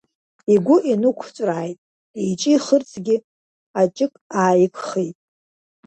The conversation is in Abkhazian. Игәы инықәҵәрааит, иҿихырцгьы аҷык ааигхеит.